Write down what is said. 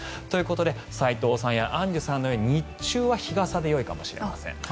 ということで斎藤さんやアンジュさんのように日中は日傘でいいかもしれません。